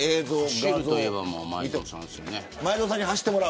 走るといえば前園さんですよね。